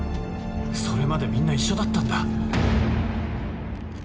それまでみんな一緒だったんだ。